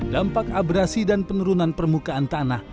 dampak abrasi dan penurunan permukaan tanah